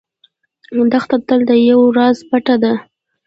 دښته تل د یو راز پټه ده.